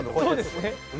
そうですね。